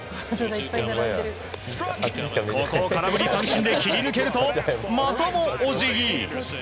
ここを空振り三振で切り抜けるとまたもお辞儀。